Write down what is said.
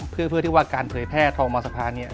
เพื่อที่ว่าการเผยแพร่ทองมสภาเนี่ย